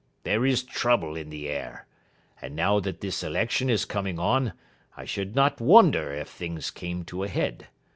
There is trouble in the air. And now that this election is coming on, I should not wonder if things came to a head.